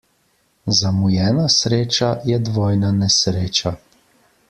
Zamujena sreča je dvojna nesreča.